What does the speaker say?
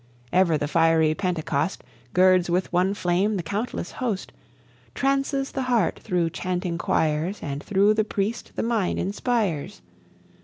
Ever the fiery Pentecost Girds with one flame the countless host, Trances the heart through chanting choirs, And through the priest the mind inspires.